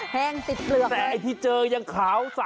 แต่ที่เจอยังขาวใสอยู่นะ